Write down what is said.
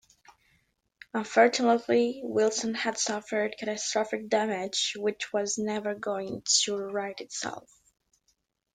Unfortunately Wilson had 'suffered catastrophic damage which was never going to right itself'.